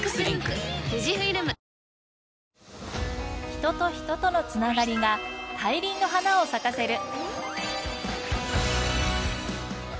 人と人との繋がりが大輪の花を咲かせる。